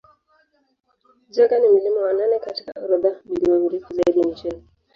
Jaeger ni mlima wa nane katika orodha milima mirefu zaidi nchini